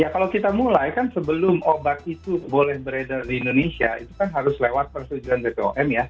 ya kalau kita mulai kan sebelum obat itu boleh beredar di indonesia itu kan harus lewat persetujuan bpom ya